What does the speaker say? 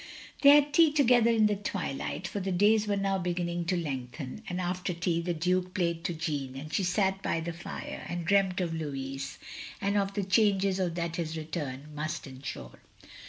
" They had tea together in the twilight, for the days were now beginning to lengthen; and after tea, the Duke played to Jeanne; and she sat by the fire, and dreamt of Lotiis, and of the changes that his return must ensure.